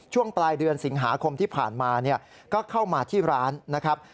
ช่วงปลายเดือนสิงหาคมที่ผ่านมาเนี่ยก็เข้ามาที่ร้านนะครับ